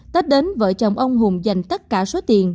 tết đến vợ chồng ông hùng dành tất cả số tiền